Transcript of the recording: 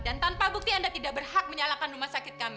dan tanpa bukti anda tidak berhak menyalahkan rumah sakit kami